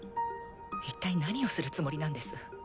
一体何をするつもりなんです？